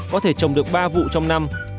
có thể trồng được ba vụ trong năm